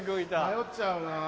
迷っちゃうなぁ。